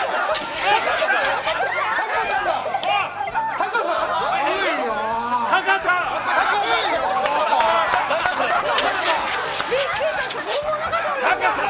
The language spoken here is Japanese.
タカさん？